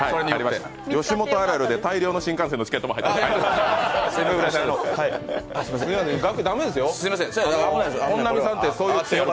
吉本あるあるで大量の新幹線のチケットも入ってる。